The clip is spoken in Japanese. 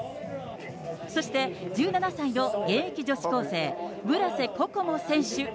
そして、１７歳の現役女子高生、村瀬心椛選手。